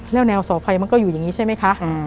แล้วแนวเสาไฟมันก็อยู่อย่างนี้ใช่ไหมคะ